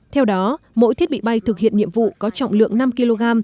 theo đó mỗi thiết bị bay thực hiện nhiệm vụ có trọng lượng năm kg